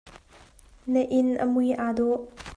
Na inn a mui aa dawh.